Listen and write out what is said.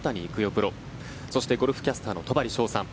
プロそしてゴルフキャスターの戸張捷さん